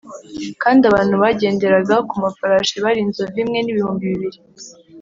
kandi abantu bagenderaga ku mafarashi bari inzovu imwe n’ibihumbi bibiri